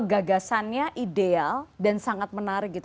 gagasannya ideal dan sangat menarik gitu